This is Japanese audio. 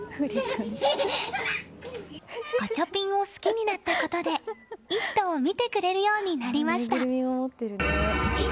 ガチャピンを好きになったことで「イット！」を見てくれるようになりました。